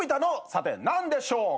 さて何でしょうか？